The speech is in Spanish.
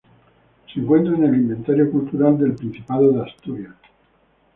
Se encuentra en el Inventario Cultural del Principado de Asturias.